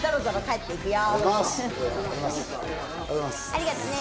ありがとね。